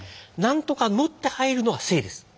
何とか「の」って入るのが姓です。